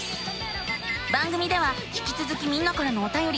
番組では引きつづきみんなからのおたよりまってるよ。